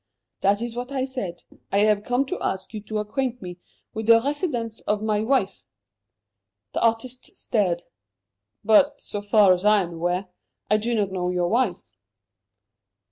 "That is what I said. I have come to ask you to acquaint me with the residence of my wife." The artist stared. "But, so far as I am aware, I do not know your wife."